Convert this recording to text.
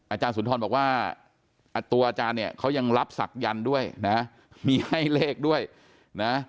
อาจารย์สุนทรบอกว่าตัวอาจารย์เนี่ยเขายังรับศักยันต์ด้วยนะมีให้เลขด้วยนะ